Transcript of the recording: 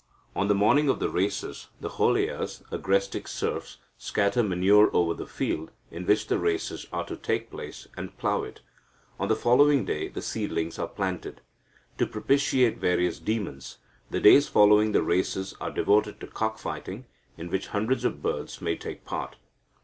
On the morning of the races, the Holeyas (agrestic serfs) scatter manure over the field, in which the races are to take place, and plough it. On the following day, the seedlings are planted. To propitiate various demons, the days following the races are devoted to cock fighting, in which hundreds of birds may take part.